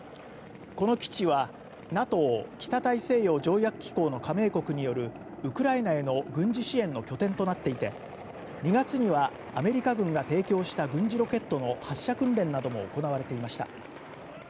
この基地はＮＡＴＯ・北大西洋条約機構の加盟国によるウクライナへの軍事支援の拠点となっていて２月にはアメリカ軍が提供した軍事ロケットの発射訓練なども行われていました。